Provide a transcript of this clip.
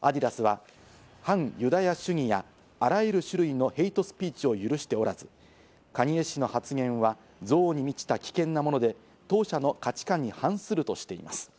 アディダスは反ユダヤ主義やあらゆる種類のヘイトスピーチを許しておらず、カニエ氏の発言は憎悪に満ちた危険なもので、当社の価値観に反するとしています。